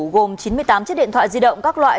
gồm chín mươi tám chiếc điện thoại di động các loại